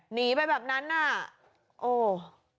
หนีไปแบบนั้นน่ะโอ้